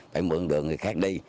phải mượn đường thì khác đi